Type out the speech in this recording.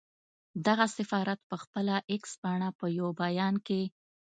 دغه سفارت پر خپله اېکس پاڼه په یو بیان کې